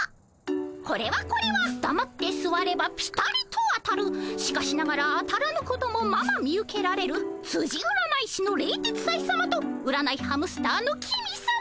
これはこれはだまってすわればピタリと当たるしかしながら当たらぬこともまま見受けられるつじ占い師の冷徹斎さまと占いハムスターの公さま。